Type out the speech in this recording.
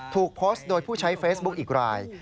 ถูกโพสต์โดยผู้ใช้เฟซบุ๊คอีกราย